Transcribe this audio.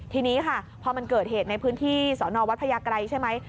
ทีนี้ค่ะพอมันเกิดเหตุในพื้นที่สอนอวัดพญาไกรใช่ไหม